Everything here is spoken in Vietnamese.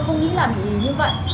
không nghĩ là bị như vậy